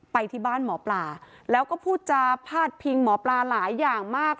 ไปที่บ้านหมอปลาแล้วก็พูดจาพาดพิงหมอปลาหลายอย่างมาก